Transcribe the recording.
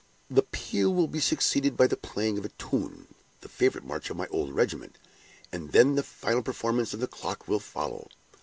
The peal will be succeeded by the playing of a tune the favorite march of my old regiment and then the final performance of the clock will follow.